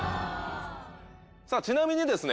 ちなみにですね